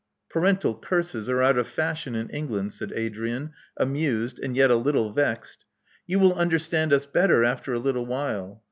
Parental curses are out of fashion in England," said Adrian, amused, and yet a little vexed. "You will understand us better after a little while.